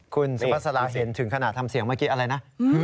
คุณสุภาษาลาเห็นถึงขนาดทำเสียงเมื่อกี้อะไรนะ